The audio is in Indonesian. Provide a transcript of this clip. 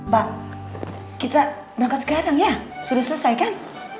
pak kita berangkat sekarang ya sudah selesai kan